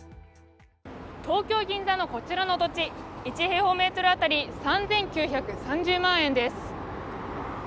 東京・銀座のこちらの土地、１平方メートル当たり３９３０万円です